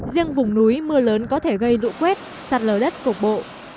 riêng vùng núi mưa lớn có thể gây lũ quét sạt lở đất cục bộ